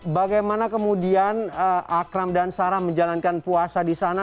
bagaimana kemudian akram dan sarah menjalankan puasa di sana